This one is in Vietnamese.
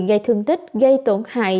gây thương tích gây tổn hại